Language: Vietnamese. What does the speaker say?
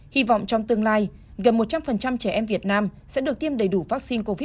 hy vọng trong tương lai gần một trăm linh trẻ em việt nam sẽ được tiêm đầy đủ vaccine covid một mươi chín